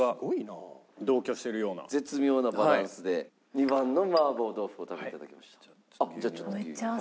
２番の麻婆豆腐を食べて頂きました。